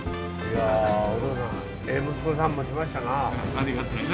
ありがたいな。